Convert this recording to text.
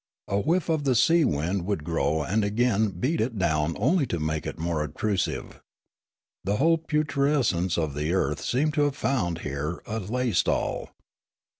A whiff of the sea wind would now and again beat it down only to make it more obtrusive. The whole putrescence of the earth seemed to have found here a laj' stall.